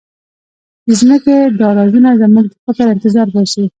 د ځمکې دا رازونه زموږ د فکر انتظار باسي.